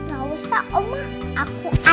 gausah umar aku aja